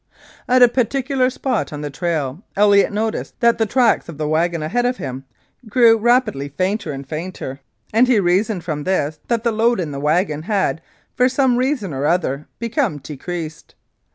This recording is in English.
At a particular spot on the trail Elliott noticed that the tracks of the wagon ahead of him grew rapidly fainter and fainter, and he reasoned from this that the load in the wagon had, for some reason or other, become decreased.